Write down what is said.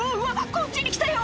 こっちに来たよ